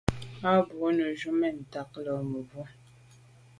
A bwô neju’ men ntag là mebwô.